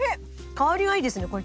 香りがいいですねこれ。